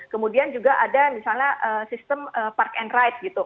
kemudian juga ada misalnya sistem park and ride gitu